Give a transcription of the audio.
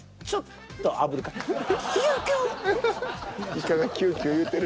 イカがキュキュいうてる。